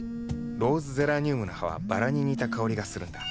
ローズゼラニウムの葉はバラに似た香りがするんだ。